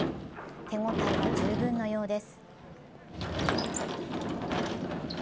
手応えは十分なようです。